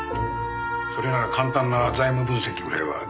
それなら簡単な財務分析ぐらいは出来るはずだ。